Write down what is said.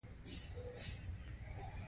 د کوانټم کمپیوټر په سوپرپوزیشن کار کوي.